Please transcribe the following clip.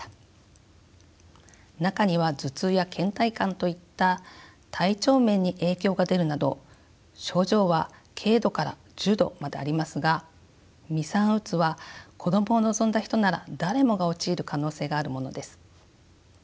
中には頭痛やけん怠感といった体調面に影響が出るなど症状は軽度から重度までありますが未産うつは子どもを望んだ人なら誰もが陥る可能性があるものです。